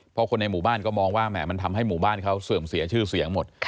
เพราะคนในหมู่บ้านก็มองว่าแหมมันทำให้หมู่บ้านเขาเสื่อมเสียชื่อเสียงหมด